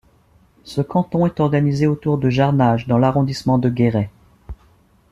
Ce canton est organisé autour de Jarnages dans l'arrondissement de Guéret.